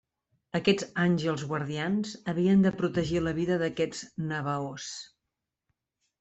Aquests àngels guardians havien de protegir la vida d'aquests navahos.